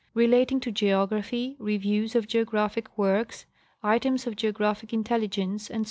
relating to geography, reviews of geographic works, items of geographic intelligence, etc.